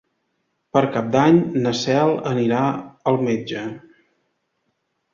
Per Cap d'Any na Cel anirà al metge.